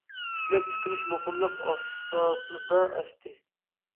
ئىشلەپچىقىرىش مۇقىملىق ئاساسىدا ئاشتى.